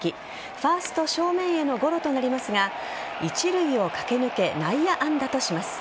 ファースト正面へのゴロとなりますが一塁を駆け抜け内野安打とします。